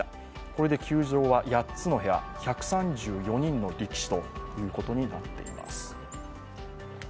これで球場は８つの部屋、１３４人の力士となっています。